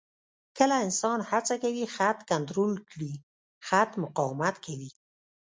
کله انسان هڅه کوي خط کنټرول کړي، خط مقاومت کوي.